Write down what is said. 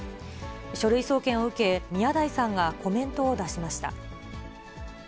書類送検を受け、宮台さんがコメントを出しました。